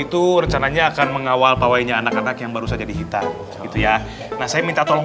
itu rencananya akan mengawal pawainya anak anak yang baru saja dihitar gitu ya nah saya minta tolong